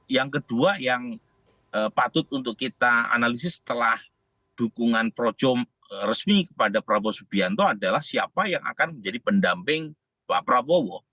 yang kedua yang patut untuk kita analisis setelah dukungan projo resmi kepada prabowo subianto adalah siapa yang akan menjadi pendamping pak prabowo